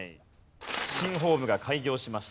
新ホームが開業しました。